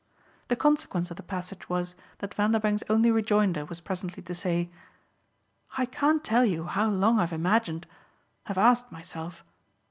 The consequence of the passage was that Vanderbank's only rejoinder was presently to say: "I can't tell you how long I've imagined have asked myself.